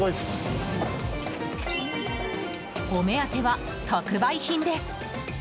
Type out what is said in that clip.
お目当ては、特売品です。